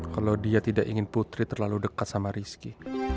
kalau dia tidak ingin putri terlalu dekat sama rizky